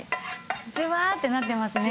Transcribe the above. ジュワーってなってますね。